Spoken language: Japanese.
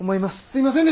すいません。